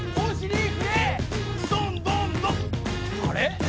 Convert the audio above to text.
あれ？